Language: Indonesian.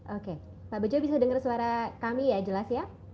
oke pak bejo bisa dengar suara kami ya jelas ya